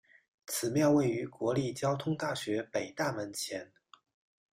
此庙位于国立交通大学北大门前。